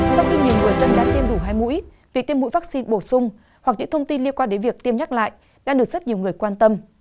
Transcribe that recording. sau khi nhiều người dân đã tiêm đủ hai mũi việc tiêm mũi vắc xin bổ sung hoặc những thông tin liên quan đến việc tiêm nhắc lại đã được rất nhiều người quan tâm